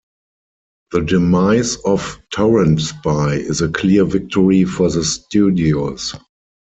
The demise of TorrentSpy is a clear victory for the studios.